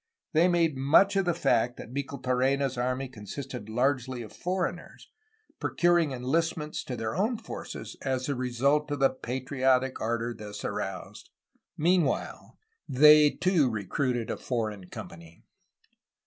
They made much of the fact that Micheltorena's army consisted largely of foreigners, procuring enlistments to their own forces as a result of the patriotic ardor WAITING FOR OLD GLORY, 1835 1847 483 thus aroused. Meanwhile they too recruited a foreign company!